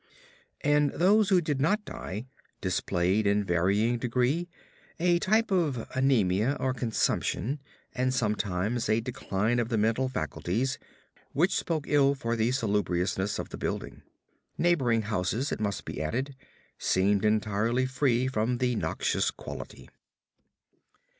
And those who did not die displayed in varying degree a type of anemia or consumption, and sometimes a decline of the mental faculties, which spoke ill for the salubriousness of the building. Neighboring houses, it must be added, seemed entirely free from the noxious quality.